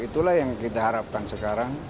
itulah yang kita harapkan sekarang